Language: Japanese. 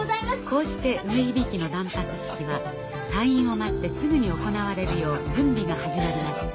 こうして梅響の断髪式は退院を待ってすぐに行われるよう準備が始まりました。